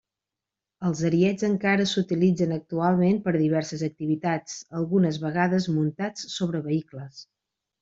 Els ariets encara s'utilitzen actualment per a diverses activitats, algunes vegades muntats sobre vehicles.